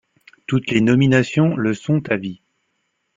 Toutes les nominations le sont à vie.